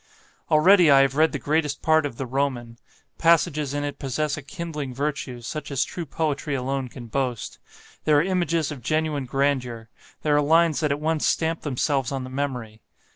"Already I have read the greatest part of the 'Roman;' passages in it possess a kindling virtue such as true poetry alone can boast; there are images of genuine grandeur; there are lines that at once stamp themselves on the memory.